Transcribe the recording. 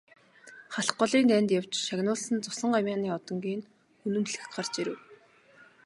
Халх голын дайнд явж шагнуулсан цусан гавьяаны одонгийн нь үнэмлэх гарч ирэв.